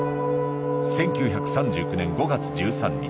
１９３９年５月１３日。